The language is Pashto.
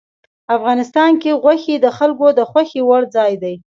افغانستان کې غوښې د خلکو د خوښې وړ ځای دی.